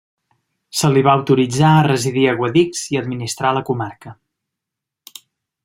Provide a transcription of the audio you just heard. Se li va autoritzar a residir a Guadix i administrar la comarca.